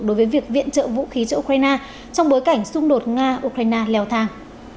đối với việc viện trợ vũ khí cho ukraine trong bối cảnh xung đột nga ukraine leo thang